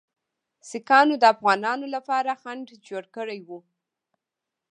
سیکهانو د افغانانو لپاره خنډ جوړ کړی وو.